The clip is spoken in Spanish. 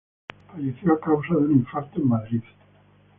Falleció a causa de un infarto, en Madrid.